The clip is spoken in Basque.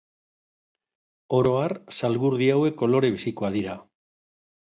Oro har zalgurdi hauek kolore bizikoak dira.